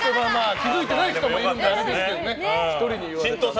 気づいていない人もいるんですけどね。